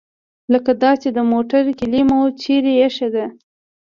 لکه دا چې د موټر کیلي مو چیرې ایښې ده.